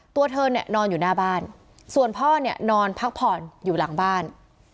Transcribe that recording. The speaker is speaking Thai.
ตัวเธอเนี่ยนอนอยู่หน้าบ้านส่วนพ่อเนี่ยนอนพักผ่อนอยู่หลังบ้าน